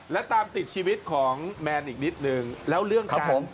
แล้วตามติดชีวิตของแมนอีกนิดนึง